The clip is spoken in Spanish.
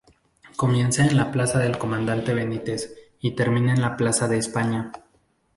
Comienza en la plaza del Comandante Benítez y termina en la plaza de España.